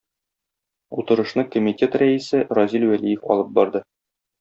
Утырышны комитет рәисе Разил Вәлиев алып барды.